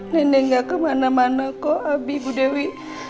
nenek gak kemana mana kok abi ibu dewi